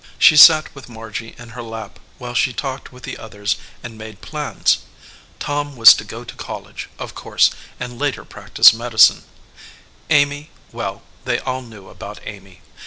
She sat with Margy in her 21 EDGEWATER PEOPLE lap while she talked with the others and made plans. Tom was to go to college, of course, and later practise medicine. Amy well, they all knew about Amy.